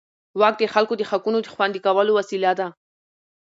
واک د خلکو د حقونو د خوندي کولو وسیله ده.